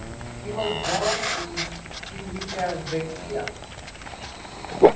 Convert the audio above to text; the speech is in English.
He was born in Civitavecchia.